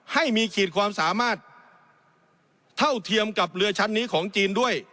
ให้มีขีดความสามารถเท่าเทียมกับเรือชั้นนี้ของจีนด้วย